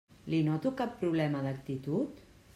Li noto cap problema d'actitud?